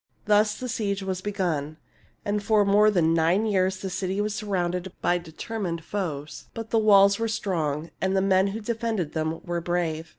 Thus the siege was begun, and for more than nine years the city was surrounded by determined foes; but the walls were strong, and the men who defended them were brave.